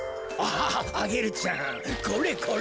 アゲルちゃんこれこれ。